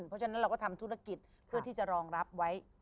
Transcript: เพราะฉะนั้นเราก็ทำธุรกิจเพื่อที่จะรองรับไว้